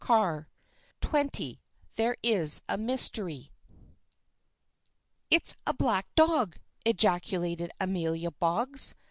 CHAPTER XX THERE IS A MYSTERY "It's a black dog!" ejaculated Amelia Boggs.